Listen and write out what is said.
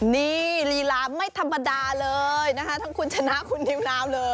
นี่ลีลาไม่ธรรมดาเลยนะคะทั้งคุณชนะคุณนิวนาวเลย